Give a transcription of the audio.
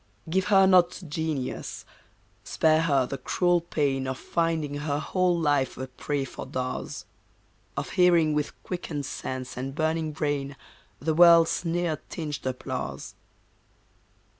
Give her not genius. Spare her the cruel pain Of finding her whole life a prey for daws; Of hearing with quickened sense and burning brain The world's sneer tinged applause.